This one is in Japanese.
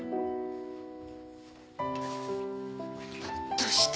どうして？